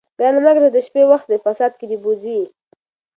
ګرانه مه ګرځه د شپې، وخت د فساد دي کښې بوځې